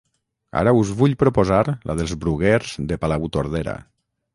ara us vull proposar la dels Bruguers de Palautordera